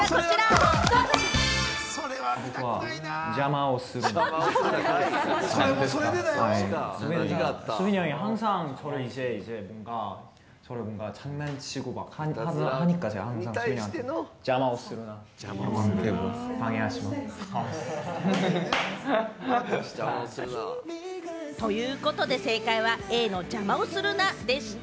それは見たくないな。ということで、正解はＡの邪魔をするなでした。